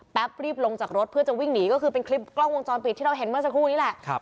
รีบลงจากรถเพื่อจะวิ่งหนีก็คือเป็นคลิปกล้องวงจรปิดที่เราเห็นเมื่อสักครู่นี้แหละ